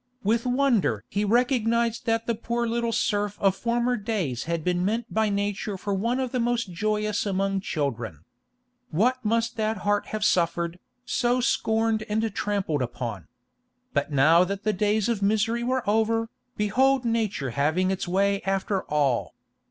With wonder he recognised that the poor little serf of former days had been meant by nature for one of the most joyous among children. What must that heart have suffered, so scorned and trampled upon! But now that the days of misery were over, behold nature having its way after all.